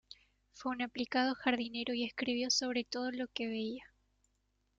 Fue un aplicado jardinero y escribió sobre todo lo que veía.